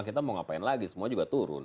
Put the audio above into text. kita mau ngapain lagi semua juga turun